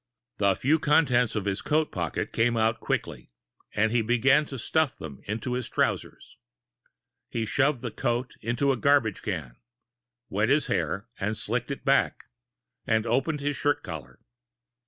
The few contents of his coat pocket came out quickly, and he began to stuff them into his trousers. He shoved the coat into a garbage can, wet his hair and slicked it back, and opened his shirt collar.